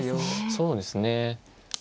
そうですね。